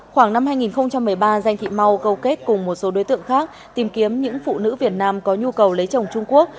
khoảng năm hai nghìn một mươi ba danh thị mau câu kết cùng một số đối tượng khác tìm kiếm những phụ nữ việt nam có nhu cầu lấy chồng trung quốc